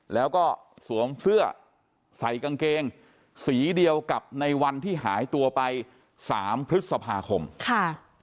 แล้วก็สวมเสื้อใส่กางเกงสีเดียวกับในวันที่หายตัวไปสามพฤษภาคมค่ะ